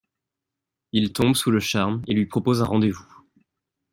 Il tombe sous le charme et lui propose un rendez-vous.